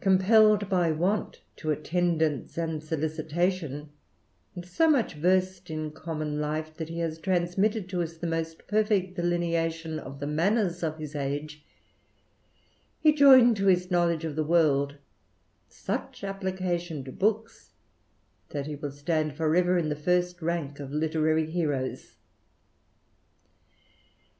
Cohezi pelled by want to attendance and solicitation, and so mucli versed in common life, that he has transmitted to us tkie most perfect delineation of the manners of his age, he joined to his knowledge of the world, such application to books, that he will stand for ever in the first rank of litera/y heroes.